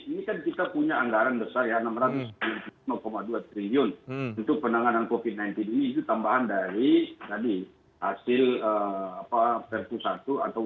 ini kan kita punya anggaran besar ya rp enam ratus dua puluh lima dua triliun untuk penanganan covid sembilan belas